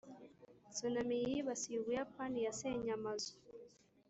tsunami yibasiye ubuyapani yasenye amazu,